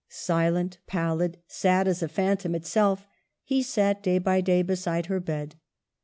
Silent, pallid, sad as a phantom itself, he sat day by day beside her bed.